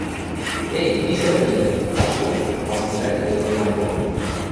— Эй, исӹр вӹлӹ! — ваштылын, Васли вӓтӹ Веруклан попен.